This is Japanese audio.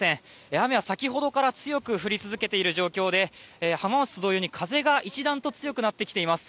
雨は先ほどから強く降り続けている状況で浜松と同様に風が一段と強くなってきています。